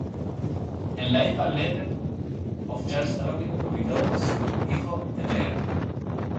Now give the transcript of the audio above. En "Life and Letters of Charles Darwin", publicado por su hijo Mr.